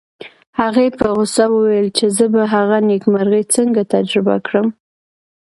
هغې په غوسه وویل چې زه به هغه نېکمرغي څنګه تجربه کړم